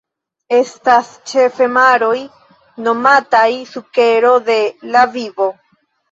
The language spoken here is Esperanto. Estas ĉefe maroj nomataj sukero de la vivo.